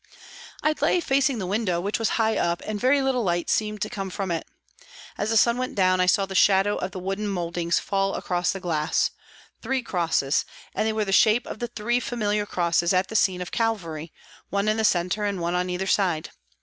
I lay facing the window, which was high up, and very little light seemed to come from it. As the sun went down I saw the shadow of the wooden mouldings fall across the glass, three crosses, and they were the shape of the three familiar crosses at the scene of Calvary, one in the centre and one on either side.